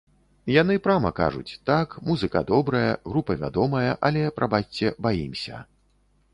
Яны прама кажуць, так, музыка добрая, група вядомая, але, прабачце, баімся.